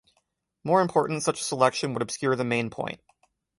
More important, such a selection would obscure the main point.